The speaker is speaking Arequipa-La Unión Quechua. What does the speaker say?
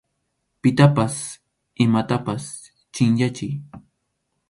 Pitapas imatapas chʼinyachiy.